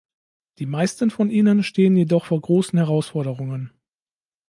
Die meisten von ihnen stehen jedoch vor großen Herausforderungen.